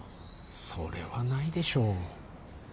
それはないでしょう。